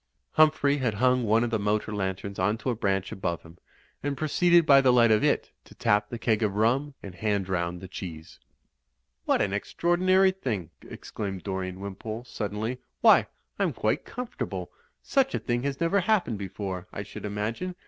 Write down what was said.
Humphrey had hung one of the motor lanterns onto a branch above him, and proceeded by the light of it to tap the keg of rum and hand round the cheese. What an extraordinary thing," exclaimed Dorian Wimpole, suddenly. "Why, I'm quite comfortable! Such a thing has never happened before, I should imagine.